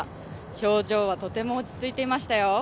表情はとても落ち着いていましたよ。